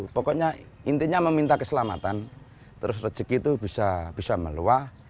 pokoknya intinya meminta keselamatan terus rezeki itu bisa meluah